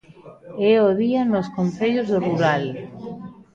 É o día nos concellos do rural.